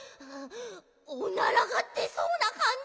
オナラがでそうなかんじ。